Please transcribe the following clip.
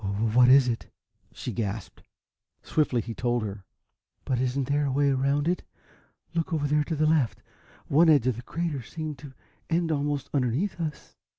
"W what is it?" she gasped. Swiftly he told her. "But isn't there any way around it? Look, over there to the left. One edge of the crater seems to end almost underneath us."